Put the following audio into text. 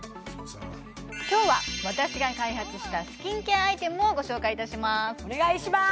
今日は私が開発したスキンケアアイテムをご紹介いたしますお願いします